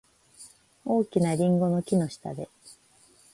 大きなリンゴの木の下で。